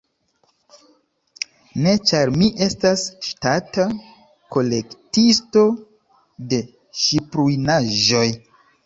Ne, ĉar mi estas ŝtata kolektisto de ŝipruinaĵoj.